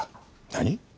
何？